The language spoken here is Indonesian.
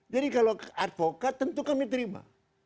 jadi kalau advokat tentu kami terima